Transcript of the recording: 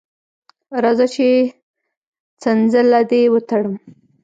راځه چې څنځله دې وتړم.